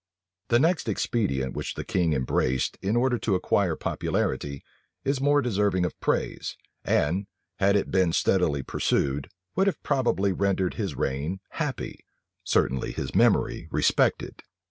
{1668.} The next expedient which the king embraced in order to acquire popularity, is more deserving of praise; and, had it been steadily pursued, would probably have rendered his reign happy, certainly his memory respected.